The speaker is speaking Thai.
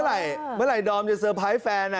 เมื่อไหร่ดอมจะเซอร์ไพรส์แฟน